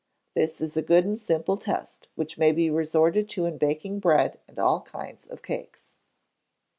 This is a good and simple test, which may be resorted to in baking bread and all kinds of cakes.